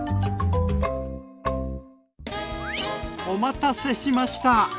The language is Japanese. お待たせしました！